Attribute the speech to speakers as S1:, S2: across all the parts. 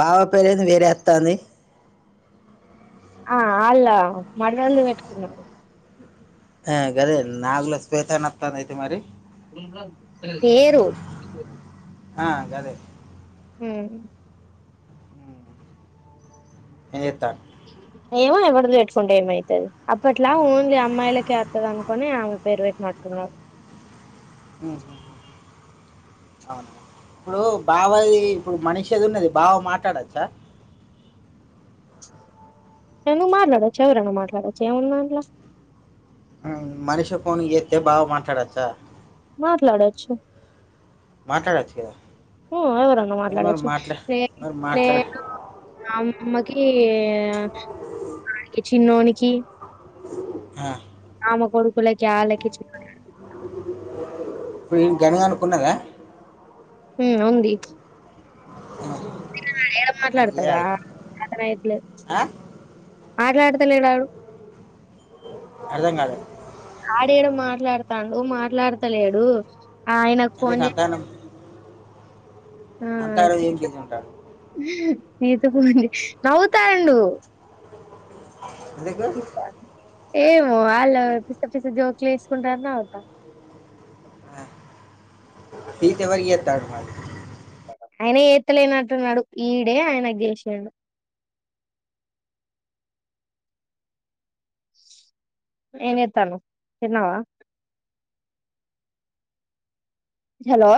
S1: బావ పేరు ఏంది వేరే వస్తాంది
S2: ఆ అళ్లా [unintelligible] పెట్టుకున్నాడు
S1: ఆ గదే నాగుల స్్వేతన వస్తంది అయితే మరి
S2: పేరు
S1: ఆ గదే
S2: హ
S1: ఏత
S2: ఏమో ఎవడ పెట్టుకుంటే ఏమైతుది అప్పట్లా ఓన్లీ అమ్మాయిలకే వస్తది అనుకొని ఆమె పేరు పెట్టీ నట్టు ఉన్నాడు
S1: అవును ఇప్పుడు బావది ఇప్పుడు మనిషిది ఉన్నది బావో మాట్లాడచ్చా
S2: నే నువ్వు మాట్లాడొచ్చు ఎవరనా మాట్లాడచ్చు ఏముంది దాంట్లో
S1: మనిషి ఫోన్ చేస్తే బావ మాట్లాడచ్చా
S2: మాట్లాడొచ్చు
S1: మాట్లాడచ్చు కదా
S2: హ ఏవన్నా
S1: ఏ మరి
S2: మాట్లాడొచ్చు
S1: మాట్లా మరి మాట్లాడు
S2: చిహ చిన్నోనికి [unintelligible]
S1: ఆ
S2: వల్ల కొడుకులకి [unintelligible]
S1: ఇప్పుడు [unintelligible] అనుకున్నారా
S2: ఉంది
S1: ఆ
S2: ఏడ మాట్లాడతాడు అతనైట్లే
S1: ఆ?
S2: ఆటలా ఆడుతల ఇడాడు
S1: అదం కాదు
S2: ఆడేడు మాట్లాడుతాడు మాట్లాడతలేడు ఆ ఆయనకు ఫోన్ చేసి
S1: అంతరోోజం తీసుంటాడు
S2: ఇది పోండి నవుతా ఉడు
S1: ఎందుక
S2: ఏమో వాళ్ళు పిస్తా పిస్త జోక్లు వేసుకుంటారునే అవుతాం
S1: తీసి ఎవరికి చేస్తాడు మరి
S2: ఆయన ఏత్తలేనట్టున్నాడు ఈడే ఆయనకు గెలిసాడు ఏమిేస్తాను తిన్నావా హలో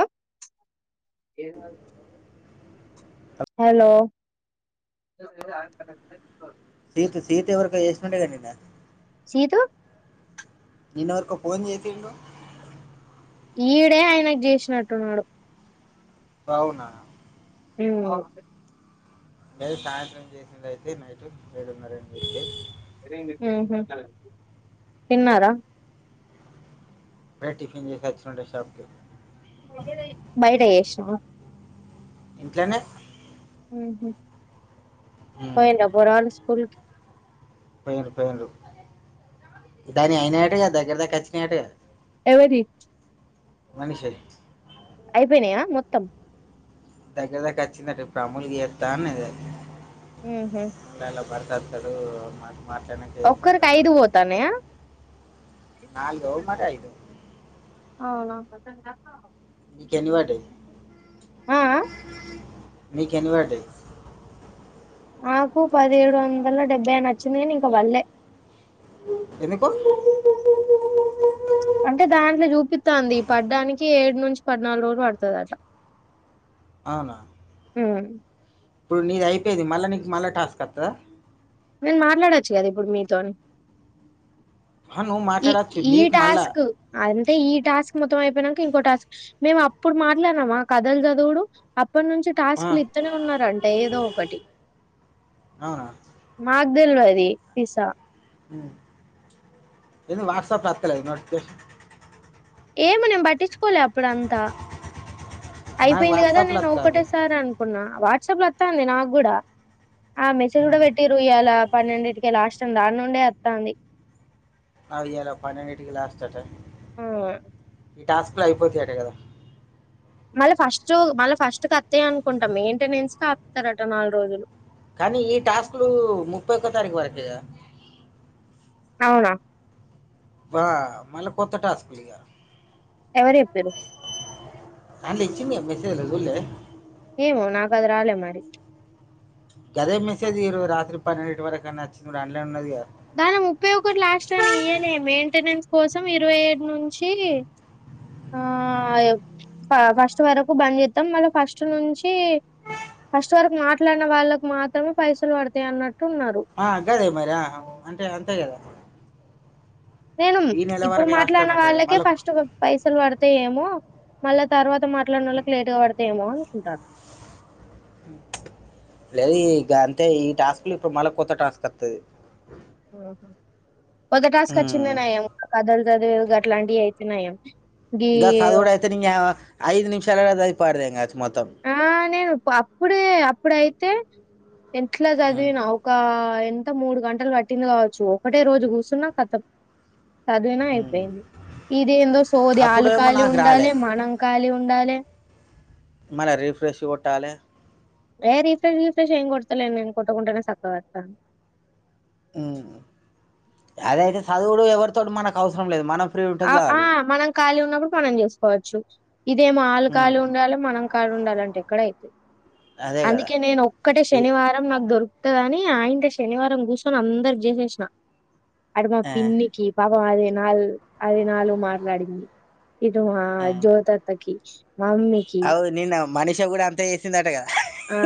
S2: హలోలో
S1: స సీత ఎ వరకు ఏేస్తు ఉంటేగా ని
S2: సీదు
S1: నిన్నవరకు ఫోన్ చేయతంటు
S2: ఈడే ఆయనకు చేసినట్టున్నాడు
S1: అవునా
S2: ఓకే
S1: నే సాయంత్రం చేసింది అయితే నైట్ ఏడు ఉన్నారండి మీతే
S2: తన్నారా
S1: మ టిఫన్ాంటషా
S2: బయట ఎష్
S1: ఇంట్లోనే
S2: హ
S1: ఉమ్,
S2: నా బరాల్ స్కూల్
S1: పోయిరు పోయిరు దాని అయినటుగా దగ్గర దగ్గ వచ్చినయాటుగా
S2: ఎవరి
S1: మనిషయి
S2: అయిపోయినాయా మొత్తం
S1: దగ్గర దగ్గర వచ్చిందటే ప్రముల్ గద్దాద
S2: హ హమ్
S1: బర్తాతడు మా మాట్లాడాక ఇ
S2: ఒక్కరికి
S1: దగా న
S2: ఐదు
S1: ఉంటే
S2: పోతాన్నాయా
S1: నాలుదు మరి ఐదు
S2: అవునా
S1: మీ కనీ వాటే
S2: ఆ ఆ
S1: మీకు ఎనివర్డే
S2: నాకు పదిహేడు వందల డెబ్బై నచ్చింది నీక వళ్లేె
S1: ఎనిక
S2: అంటే దాంట్లో చూపిస్తా అంది పడ్డానికి ఏడు నుంచి పద్నాలుగు రోజులు పడుతుంది అట్
S1: అవునా
S2: అ
S1: ఇప్పుడు నీది అయిపోయిేది మళ్ళా నీకు మళ్ళా టాస్క్ వస్తుందా
S2: నేను మాట్లాడొచ్చు కదా ఇప్పుడు మీతో
S1: ఆ, నువ్వు
S2: ఈ
S1: మాట్లాడచ్చు
S2: ఈ
S1: నీకు మళ్ళా
S2: టాస్క్ అంతే ఈ టాస్క్ మతం అయిపోయినాక ఇంకో టాస్క్ మేము అప్పుడు మాట్లాడినాం కథలు చదువుడు ఇప్పటి నుంచి
S1: ఆ,
S2: టాస్క్ లు ఇస్తనే ఉన్నారుారంటే ఏదో ఒకటి
S1: అవునా
S2: మా అల్వది పిసా
S1: అ వాట్సాప్ రాతలే నోటిఫికషన్
S2: ఏమనం పట్టించుకోలేి అప్పుడ అంతా
S1: నాకు
S2: అయిపోయింది కదా
S1: వాట్సాప్లో
S2: నేను
S1: వస్తుంది
S2: ఒకటే సార్ అనుకున్నా వాట్సాప్ లో వస్తాంది నాకు కూడా ఆ మెసేజ్ కూడా పెటిరు ఇ్యాల పన్నెండింటికే లాస్ట్ ట దాని నుండే వత్తంది
S1: అదిగలో పని ఇటికి లాస్ట్ట
S2: ఆ
S1: ఈ టాస్క్లో అయిపోతాయట కదా
S2: మళ్ళీ ఫస్ట్ మళ్ళీ ఫస్ట్ కస్తాయ అనుకుంటాం మెయింటెనెన్స్ క ఆతారట నాలుగు రోజులు
S1: కానీ ఈ టాస్కులు ముప్పై ఒ తారీఖు వరకుేద
S2: అవునా
S1: బా మ కొత్త టసుకులియ
S2: ఎవరు చెప్పరు
S1: అందుచ్చి మీ మసజలుదులేదు
S2: ఏమో నాకు అది రాలే మరి
S1: గదే మెసేజ ఈ రాత్రి పన్నెండుటి వరకు అన్నా నచ్చింది అన్లైన్ ఉన్నది
S2: దానిం ముప్పై ఒకటి లాస్ట్ అని ఇయనే మెయింటెనెన్స్ కోసం ఇరవై ఏడు నుంచి ఆ ఫస్ట్ వరకు బనిిత్తాం మళ్ళీ ఫస్ట్ నుంచి ఫస్ట్ వరకు మాట్లాడిన వాళ్ళకు మాత్రమే పైసలు పడతాయి అన్నట్టు ఉన్నారు
S1: ఆ గదే మరి అంటే అంతే కదా
S2: నేను
S1: ఈ నెల
S2: ఇప్పుడు
S1: వరకు లాస్ట్
S2: మాట్లాడిన
S1: అన్నట్టు
S2: వాళ్ళకే
S1: మళ్ళీ
S2: ఫస్ట్ పైసలు పడతాయెమో మళ్ళా తర్వాత మాట్లాడినోళ్ళకి లేట్గా పడతది తేమో అనుకుంటాన్నా
S1: లేదు ఇగంతే ఈ టాస్క్ లో ఇప్పుడు మళ్ళ కొత్త టాస్క్ వత్తది
S2: ఆహా కొత్త టాస్క్
S1: హ్మ్.
S2: వచ్చిందేన్నయం కదలు గాదెవిగి అలాంటియయితెన్నయం
S1: గా సధువుడైతే నీయవ ఐదు నిమిషాలలో చదివీ పారదేంగొచ్చు
S2: ఆ నేను అప్పుడే ఇప్పుడైతే ఎట్లా
S1: హ్మ్.
S2: చదివినా ఒకా ఎంత మూడు గంటలు పట్టింది కావచ్చు ఒకటే రోజు కూర్చున్నా కథం చదివినా
S1: హ్మ్.
S2: అయిపోయింది ఇదెందో సోది ఆళ్లు
S1: అప్పుడేమో
S2: ఖాళీ
S1: నాకు రాలే.
S2: ఉండాలె మనం ఖాళీ ఉండాలే ఉండాలే
S1: మళ రిఫ్రెష్ కొట్టాలే
S2: ఏ రీఫ్రెష్ రీఫ్రెష్ ఏం కొడతలేం మేమూ కొట్టకుంటనే చక్కగతన్నాయ్
S1: అదైతే చదువుడు ఎవరితోటి మనకవసరం లేదు మనం ఫ్రీ ఉంటే
S2: ఆ ఆ
S1: చాలు.
S2: మనం ఖాళీ ఉన్నప్పుడు మనం చేసుకోవచ్చు ఇదేం ఆలు కాలీ
S1: హ్మ్.
S2: ఉండాలే మనం కాల్ ఉండాలంటే ఎక్కడైతే
S1: అదే గదా!
S2: అందుకే నేను ఒక్కటే
S1: ఎ
S2: శనివారం నాకు దొరు దని ఆయంటె శనివారం కూర్చొని అందర్కి చేసేసిన అడమా
S1: ఆ!
S2: పిన్నికి పా వాలె నాలు అది నాలుగు మాట్లాడింది ఇటూ మా
S1: ఆ!
S2: జోతత్తకి మమ్మీకి
S1: మనిషా కూడా అంత చేసిందటగా
S2: ఆ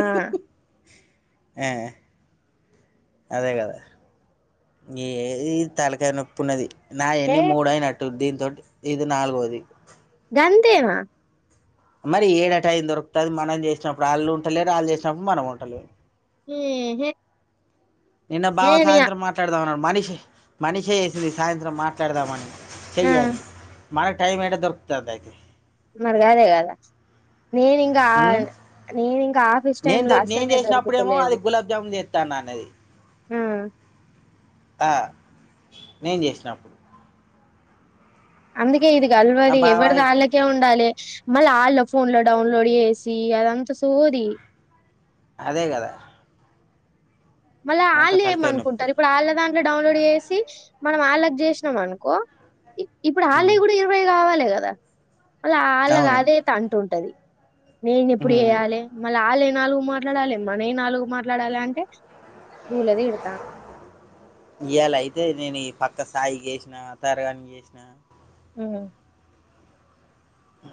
S1: అ అదే కదా ఎ ఇది తలకాయనొప్పున్నది నా
S2: ఏ
S1: ఎన్ని మూడైనట్టు దిం టి ఇది నాలుగోది
S2: అంతేనా
S1: మరి ఏడ టైం దొకుతది మనం చేసినప్పుడు వాళ్ళు ఉంటాలేరు వాళ్ళు చేసినప్పుడు మనం ఉంటలే
S2: మ్
S1: నిన్న బా సాయంత్రం మాట్లాడాదం అన్ మనిషి మనిషే వేసింది సాయంత్రం మాట్లాడదామని
S2: ఆ
S1: చెయ్యాలి మనకి టైమ్ ఎట దొరుకుతది అయితే
S2: మరిగాదే కదా నేనుంకా
S1: ఉమ్?
S2: నేను ఇంకా ఆఫీస్ టైమ్
S1: నేను
S2: లో
S1: దొ- నేను
S2: అసలే
S1: చేసినప్పుడేమో అది
S2: దొరుకుతలేదు
S1: గులాబ్ జామున్ చేస్తాను అన్నది
S2: మ్
S1: ఆ నేను చేసినప్పుడు
S2: అం ఏ ఇది
S1: ఆ
S2: గలవది
S1: బాబాయ్
S2: ఎవరిది ఆళ్ళకే ఉండాలి మళ ఆళ్ళ ఫోన్ లో డౌన్లోడ్ చేేసి అదంతా సోది
S1: అదే కదా
S2: మళ్ళీ
S1: ఎంత
S2: ఆళ్ళు ఏమ
S1: తలకాయ నొప్పి
S2: అనుకుంటారు ఇప్పుడు ఆళ్ళ దాంట్లో డౌన్లోడ్ చేసి మనం ఆళ్ళకి చేసినాం అనుకో ఇప్పుడు ఆళ్ళై
S1: ఉమ్,
S2: కూడా ఇరవై కావాలి గా కద మళ్ళ అళ్లాగా
S1: అవును
S2: అదే తంటు ఉంటది నేను ఎప్పుడు ఏయాలి మళ్ళ ఆళ్ నాలుగు మాట్లాడాలి మనై నాలుగు మాట్లాడాలి అంటే భూలది ఇతాను
S1: ఇయాల అయితే నేను ఈ పక్క సాయి చేసినా తరగాని చేసినా
S2: హ్మ్
S1: ఆ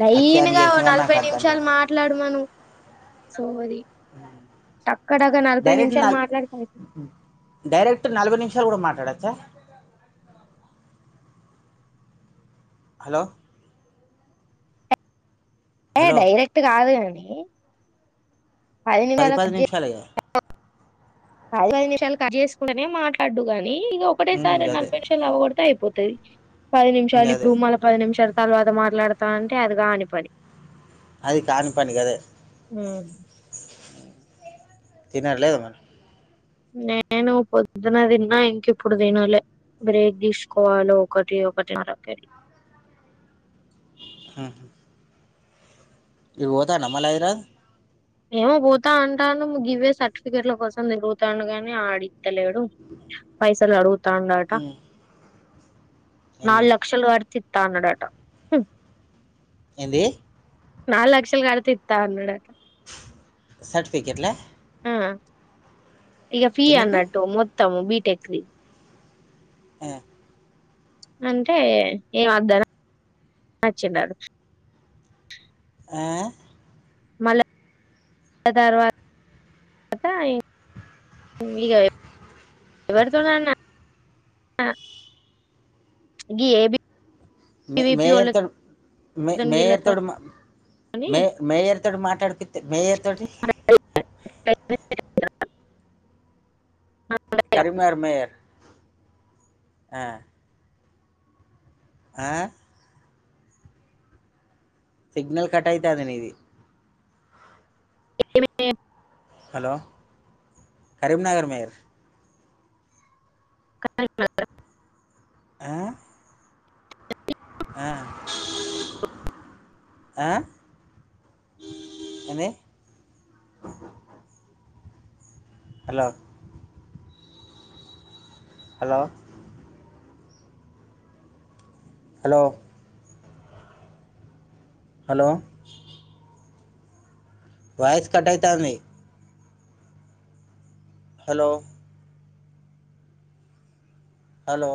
S2: లైన్గా ఓ నలభై
S1: అద్దంట
S2: నిమిషాలు మాట్లాడు మనం సోది చక్కడాగా నలభై
S1: డైరెక్ట్
S2: నిమిషాలు
S1: నల్
S2: మాట్లాడితే అయి
S1: డైరెక్ట్ [unintelligible] కూడా మాట్లాడొచ్చా హలో
S2: ఏ
S1: హలో
S2: డైరెక్ట్ కాదు హలో
S1: పది పది నిమిషాలే
S2: పది పది నిమిషాలు కట్ చేసుకుంటనే మాట్లాడుదు గానీ ఇది
S1: ఉమ్,
S2: ఒకటేసారి
S1: గదే
S2: నలభై నిమిషాలు అవ్వగొడతే అయిపోతుంది అయి పది నిమిషాలు ఈ
S1: గదే
S2: పూమాల పది నిమిషాలు తర్వాత మాట్లాడతా అంటే అదిగానిపని
S1: అది కాని పని కదే
S2: హ్మ్
S1: తినలేదు మరి
S2: నేను పొద్దున తిన్నా ఇంక ఇప్పుడు తినలే బ్రేక్ తీసుకోవాలి ఒకటి ఒకటిన్నరకు వెళ్ళి
S1: హ్మ్ [unintelligible]
S2: ఏమో పోతా అంటాను గివ్వే సర్టిఫికేట్ల కోసం తిరుగుతాండు గాని అడిస్తలేడు పైసలు అడుగు తాండాట
S1: ఉమ్, ఎన్ని
S2: నాలుగు లక్షలు గడితే తాండడటా
S1: ఏంది
S2: నాలుగు లక్షలు కడతే ఇత్తా అన్నాడట
S1: సర్టిఫికెట్లే
S2: ఆ ఇక ఫీ
S1: ఎందుకు
S2: అన్నట్టు మొత్తము బీ టెక్లీ
S1: ఆ
S2: అంటే ఏం వద్దని వచ్చిండు ఆడు
S1: ఆ
S2: మళ్ళా తర్వాతవాత ఇక ఎవరితోనన్న అ ఏబ
S1: మ మేయర్ తోడు మే
S2: వోళ్ళతోని
S1: మేయర్ తోడు మే మేయర్ తోటి మాట్లాడిపిస్తే మేయర్ తోటి
S2: గీళ్ళతోని
S1: కరీమర్ మేయర్ ఆ ఆ సిగ్నల్ కట్ అయితాంది నీది
S2: ఏవ
S1: హలో కరీంనగర్ మేర్
S2: క మాత్ర
S1: ఆ ఆ ఆ ఏంది hello hello hello hello voice కట్టయితుంది హలో హలో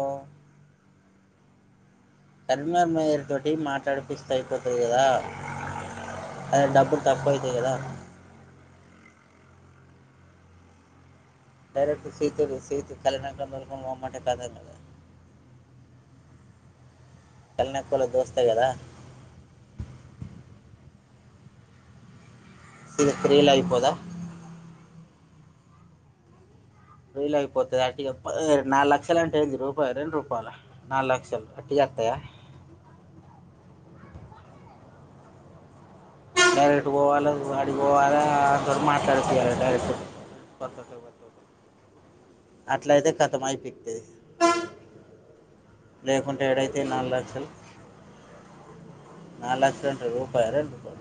S1: కరీంనర్ మేయర్ తోటి మాట్లాడిపిస్తే అయిపోతది కదా అదే డబ్బులు తక్కువయితది కదా ైరక్ట్ రుసితే రుసితే కాాల మమ్ మా టకాద కల్నకుల దోస్తా కదా ఇది ఫ్రీలాయిపోదా వయలు అయిపోతుది అట్గా నాలుగు లక్షలు అంటే ఏంది రూపాయ రెండు రూపాయలు నాలుగు లక్షలు అటుగా వస్తాయా డైరెక్ట్ పోవాలి వాడి పోవాలా అ మాట్లాడిపోయాలి డైరెక్ట్ కొత్తస అట్లయితే కతం అయిపోతుంది లేకుంటే ఎడైతే నాలుగు లక్షలు నాలుగు లక్షలు అంటారు రూపాయ రండి